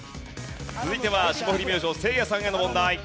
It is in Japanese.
続いては霜降り明星せいやさんへの問題。